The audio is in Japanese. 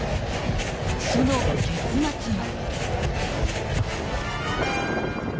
［その結末は］